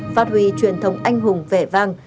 phát huy truyền thống anh hùng vẻ vang